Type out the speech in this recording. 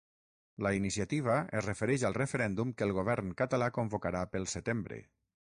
La iniciativa es refereix al referèndum que el govern català convocarà pel setembre.